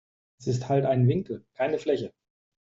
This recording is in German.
Es ist halt ein Winkel, keine Fläche.